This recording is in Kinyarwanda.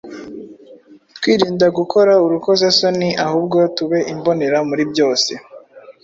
twirinda gukora urukozasoni, ahubwo tube imbonera muri byose.